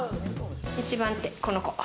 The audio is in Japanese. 一番手この子。